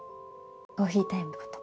コーヒータイムってこと。